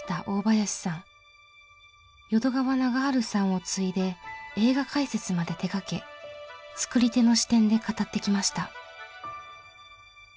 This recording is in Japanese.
淀川長治さんを継いで映画解説まで手がけ作り手の視点で語ってきました。